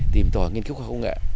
tìm tòa nghiên cứu khoa công nghệ